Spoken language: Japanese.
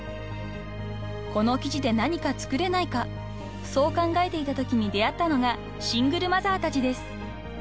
［この生地で何か作れないかそう考えていたときに出会ったのがシングルマザーたちです］